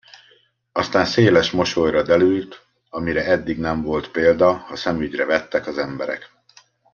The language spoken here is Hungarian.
Aztán széles mosolyra derült, amire eddig nem volt példa, ha szemügyre vettek az emberek.